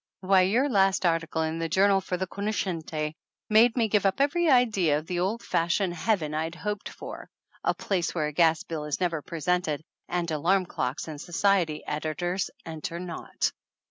Why, your last article in The Journal for the Cognoscenti made me give up every idea of the old fashioned Heaven I'd hoped for a place where a gas bill is never presented, and alarm clocks and society editors enter not